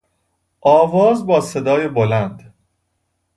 آواز با صدای بلند